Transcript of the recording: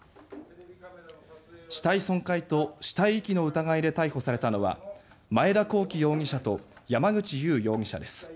死体損壊と死体遺棄の疑いで逮捕されたのは前田広樹容疑者と山口優容疑者です。